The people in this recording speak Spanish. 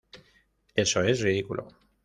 Eso es ridículo.